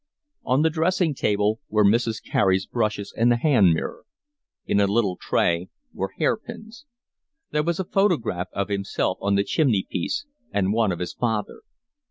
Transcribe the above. On the dressing table were Mrs. Carey's brushes and the hand mirror. In a little tray were hairpins. There was a photograph of himself on the chimney piece and one of his father.